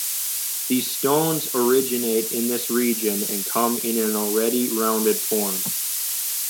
These stones originate in this region and come in an already rounded form.